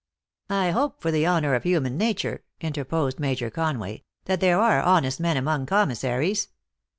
" I hope for the honor of human nature," inter posed Major Conway, " that there are honest men among commissaries